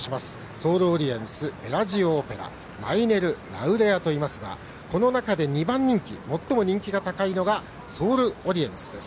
ソールオリエンスベラジオオペラマイネルラウレアといますがこの中で２番人気最も人気が高いのがソールオリエンスです。